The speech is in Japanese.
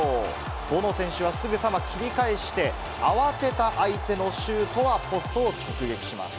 ボノ選手はすぐさま切り替えして、慌てた相手のシュートはポストを直撃します。